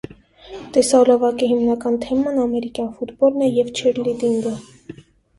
Տեսահոլովակի հիմնական թեման ամերիկյան ֆուտբոլն է և չերլիդինգը։